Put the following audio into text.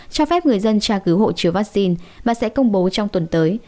cho phép người dân tra cứu hộ chiếu vaccine mà sẽ công bố trong tuần tới